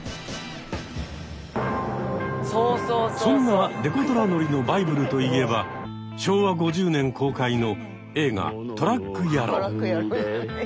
そんなデコトラ乗りのバイブルといえば昭和５０年公開の映画「トラック野郎」。